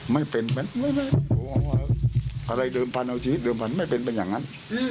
ไม่เป็นอะไรเดิมพันเอาชีวิตเดิมพันธุ์ไม่เป็นเป็นอย่างนั้น